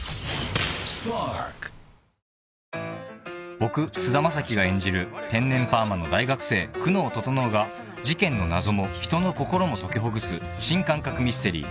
［僕菅田将暉が演じる天然パーマの大学生久能整が事件の謎も人の心も解きほぐす新感覚ミステリー